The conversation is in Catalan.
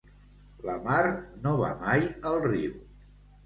La mar no va mai al riu.